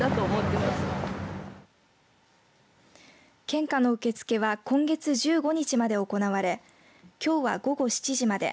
献花の受け付けは今月１５日まで行われきょうは午後７時まで。